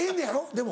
でも。